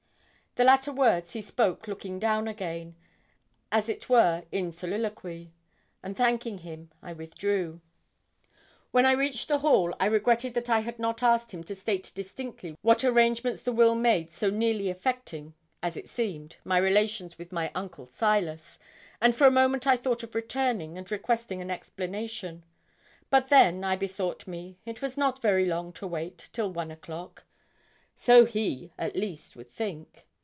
The latter words he spoke looking down again, as it were in soliloquy; and thanking him, I withdrew. When I reached the hall, I regretted that I had not asked him to state distinctly what arrangements the will made so nearly affecting, as it seemed, my relations with my uncle Silas, and for a moment I thought of returning and requesting an explanation. But then, I bethought me, it was not very long to wait till one o'clock so he, at least, would think.